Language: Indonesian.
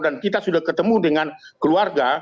dan kita sudah ketemu dengan keluarga